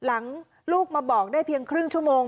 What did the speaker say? ลูกมาบอกได้เพียงครึ่งชั่วโมง